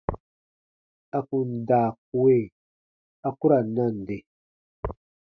À kun daa kue, a ku ra nande.